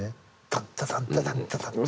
タンタタンタタンタタンタ。